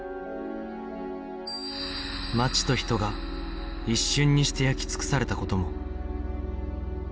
街と人が一瞬にして焼き尽くされた事も